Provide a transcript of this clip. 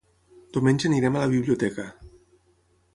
Diumenge anirem a la biblioteca.